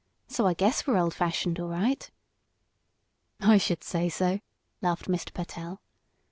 So I guess we're old fashioned, all right." "I should say so," laughed Mr. Pertell.